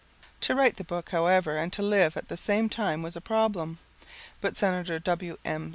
To write the book, however, and to live at the same time was a problem, but Senator W. M.